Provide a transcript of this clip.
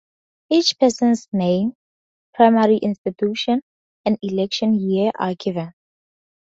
Each person's name, primary institution, and election year are given.